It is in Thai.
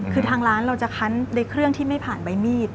คือทางร้านเราจะคั้นในเครื่องที่ไม่ผ่านใบมีด